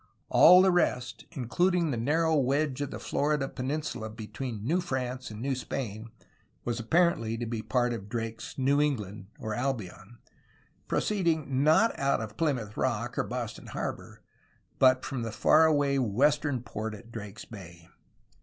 All the rest, including the narrow wedge of the Florida peninsula between New France and New Spain, was apparently to be a part of Drake's "New Eng land," or "Albion," proceeding, not out of Plymouth Rock or Boston harbor, but from the faraway western port at Drake's Bay.